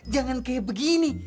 jangan kayak begini